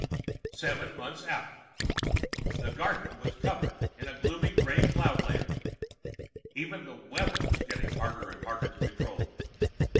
Seven months out: The garden was covered with a gloomy gray cloud layer. Even the "weather" was getting harder and harder to control.